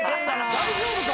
大丈夫か？